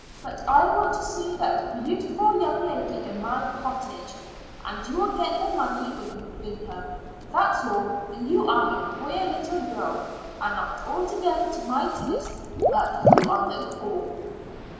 But I want to see that beautiful young lady in my cottage, and you will get the money when you bring her. That's all. You are a queer little girl, and not altogether to my taste, but you are no fool."